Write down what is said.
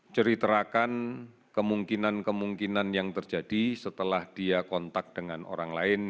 ceritakan kemungkinan kemungkinan yang terjadi setelah dia kontak dengan orang lain